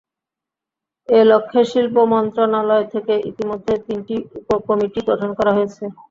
এ লক্ষ্যে শিল্প মন্ত্রণালয় থেকে ইতিমধ্যে তিনটি উপকমিটি গঠন করা হয়েছে।